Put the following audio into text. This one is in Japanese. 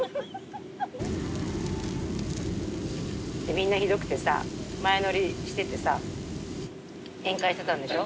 みんなひどくてさ前乗りしててさ宴会してたんでしょ？